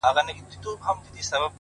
o چپ سه چـــپ ســــه نور مــه ژاړه ـ